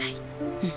うん。